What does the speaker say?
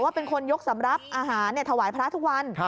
เป็นคนยกสำหรับอาหารถวายพระทุกวัน